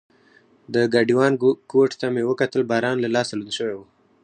د ګاډیوان کوټ ته مې وکتل، باران له لاسه لوند شوی و.